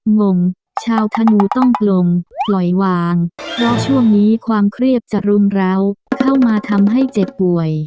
งงชาวธนูต้องปลงปล่อยวางเพราะช่วงนี้ความเครียดจะรุมร้าวเข้ามาทำให้เจ็บป่วย